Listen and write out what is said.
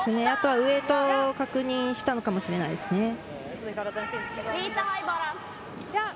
あとはウエートを確認したのかもしれないですね。